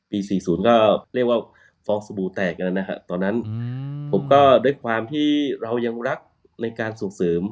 ๔๐ก็เรียกว่าฟองสบู่แตกกันแล้วนะฮะตอนนั้นผมก็ด้วยความที่เรายังรักในการส่งเสริม